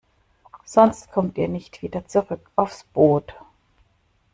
Sonst kommt ihr nicht wieder zurück aufs Boot.